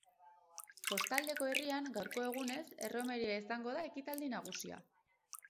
Kostaldeko herrian, gaurko egunez, erromeria izango da ekitaldi nagusia.